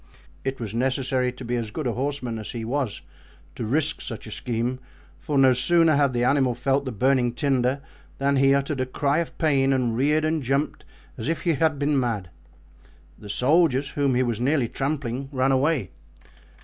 It was necessary to be as good a horseman as he was to risk such a scheme, for no sooner had the animal felt the burning tinder than he uttered a cry of pain and reared and jumped as if he had been mad. The soldiers, whom he was nearly trampling, ran away.